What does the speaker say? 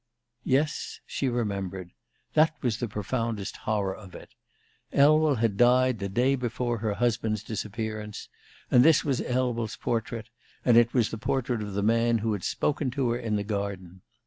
Yes, she remembered: that was the profoundest horror of it. Elwell had died the day before her husband's disappearance; and this was Elwell's portrait; and it was the portrait of the man who had spoken to her in the garden.